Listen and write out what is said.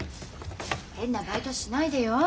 変なバイトしないでよ。